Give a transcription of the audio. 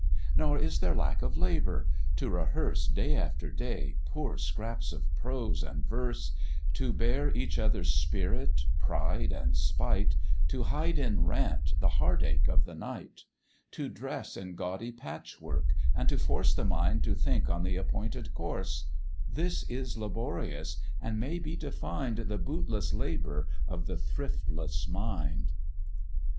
Nor is there lack of labour To rehearse, Day after day, poor scraps of prose and verse; To bear each other's spirit, pride, and spite; To hide in rant the heart ache of the night; To dress in gaudy patchwork, and to force The mind to think on the appointed course; This is laborious, and may be defined The bootless labour of the thriftless mind.